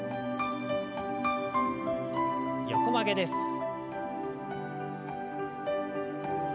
横曲げです。